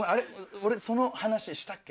俺その話したっけ？